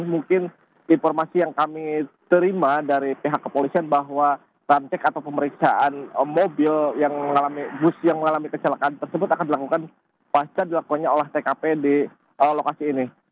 mungkin informasi yang kami terima dari pihak kepolisian bahwa rancek atau pemeriksaan mobil bus yang mengalami kecelakaan tersebut akan dilakukan pasca dilakukannya olah tkp di lokasi ini